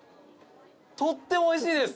とってもおいしいです。